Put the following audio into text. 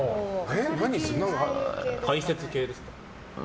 解説系ですか？